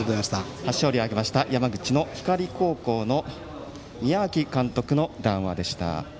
初勝利を挙げました山口の光高校の宮秋監督の談話でした。